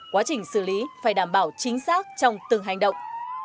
quá trình xử lý phải đảm bảo chính xác trong từng hành động